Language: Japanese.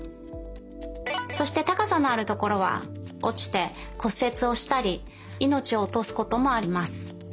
そしてたかさのあるところはおちてこっせつをしたりいのちをおとすこともあります。